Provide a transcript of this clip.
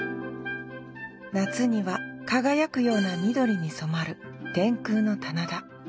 夏には輝くような緑に染まる天空の棚田。